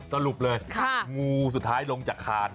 สรุปเลยงูสุดท้ายลงจากคาน